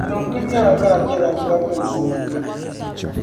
Tinima kuli nyara ka a be la bɔriginsim polo ni.